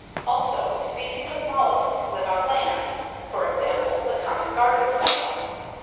Also, species of mollusks live on land for example the common garden snail.